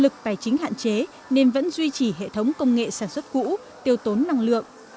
chính hạn chế nên vẫn duy trì hệ thống công nghệ sản xuất cũ tiêu tốn năng lượng